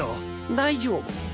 大丈夫。